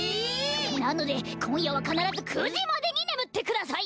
なのでこんやはかならず９じまでにねむってください。